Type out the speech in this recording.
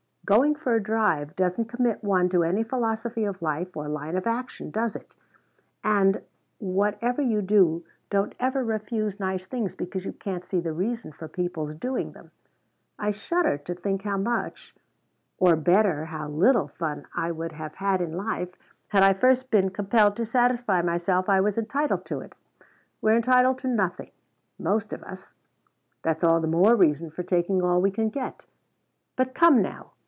Going for a drive doesn't commit one to any philosophy of life, or line of action, does it? And whatever you do, don't ever refuse nice things because you can't see the reason for people's doing them. I shudder to think how much or better, how little fun I would have had in life had I first been compelled to satisfy myself I was entitled to it. We're entitled to nothing most of us; that's all the more reason for taking all we can get. But come now!